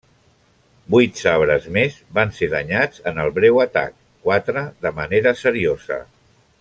Vuit Sabres més van ser danyats en el breu atac, quatre de manera seriosa.